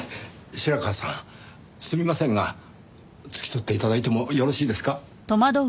白川さんすみませんが付き添って頂いてもよろしいですか？